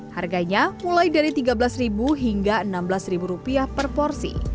harganya mulai dari rp tiga belas hingga rp enam belas per porsi